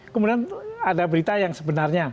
kemudian ada berita yang sebenarnya